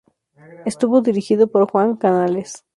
Estuvo dirigido por Juan Canales.